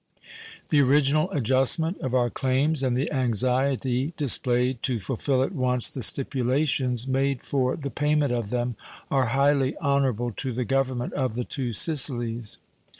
The original adjustment of our claims and the anxiety displayed to fulfill at once the stipulations made for the payment of them are highly honorable to the Government of the Two Sicilies.